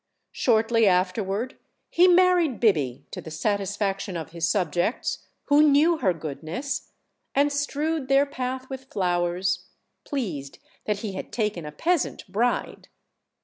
Shortly afterward he married Biby, to the satisfaction of his subjects, who knew her goodness, and strewed their path with flowers, pleased that he had taken a peasant bride.